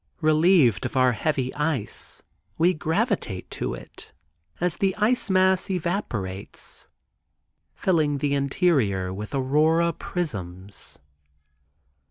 Relieved of our heavy ice we gravitate to it (as the ice mass evaporates, filling the interior with Aurora prisms.